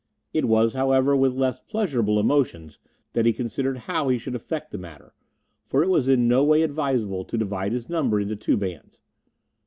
It was, however, with less pleasurable emotions that he considered how he should effect the matter, for it was in no way advisable to divide his numbers into two bands.